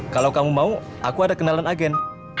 kalau kamu mau aku ada kenalan agen